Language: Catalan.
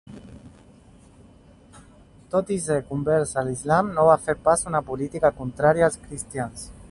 Tot i ser convers a l'islam no va fer pas una política contrària als cristians.